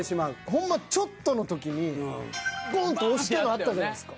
ほんまちょっとの時にボンッと押したのあったじゃないですか。